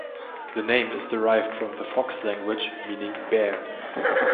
The name is derived from the Fox language, meaning "bear".